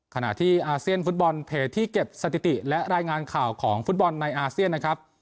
ขณะที่อาเซียนฟุตบอลเพจที่เก็บสถิติและรายงานข่าวของฟุตบอลในอาเซียนนะครับ